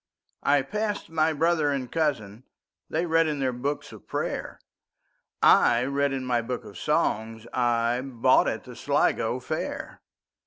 I passed my brother and cousin:They read in their books of prayer;I read in my book of songsI bought at the Sligo fair.